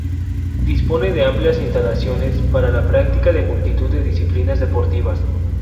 Dispone de amplias instalaciones para la práctica de multitud de disciplinas deportivas.